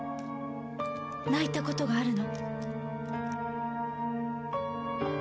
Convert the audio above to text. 「泣いたことがあるの？」